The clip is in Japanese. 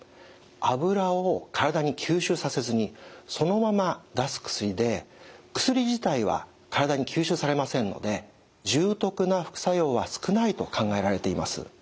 脂を体に吸収させずにそのまま出す薬で薬自体は体に吸収されませんので重篤な副作用は少ないと考えられています。